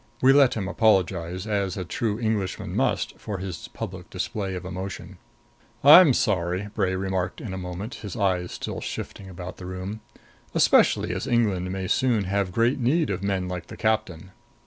We let him apologize, as a true Englishman must, for his public display of emotion. "I'm sorry," Bray remarked in a moment, his eyes still shifting about the room "especially as England may soon have great need of men like the captain.